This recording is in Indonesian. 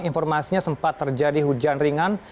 informasinya sempat terjadi hujan ringan